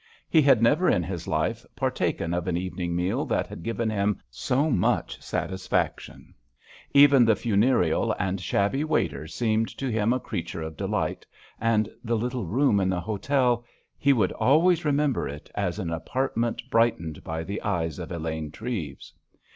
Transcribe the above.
He had never in his life partaken of an evening meal that had given him so much satisfaction; even the funereal and shabby waiter seemed to him a creature of delight, and the little room in the hotel—he would always remember it as an apartment brightened by the eyes of Elaine Treves.